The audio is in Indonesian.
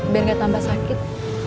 biar gak tambah sakit